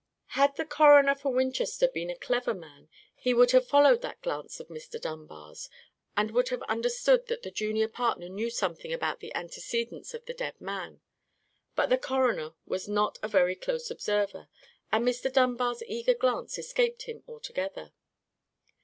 Had the coroner for Winchester been a clever man, he would have followed that glance of Mr. Dunbar's, and would have understood that the junior partner knew something about the antecedents of the dead man. But the coroner was not a very close observer, and Mr. Dunbar's eager glance escaped him altogether.